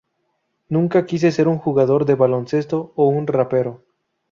Nunca quise ser un jugador de baloncesto o un rapero.